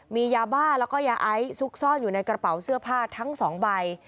มียาบ้าแล้วก็ยาไอซุกซ่อนอยู่ในกระเป๋าเสื้อผ้าทั้งสองใบ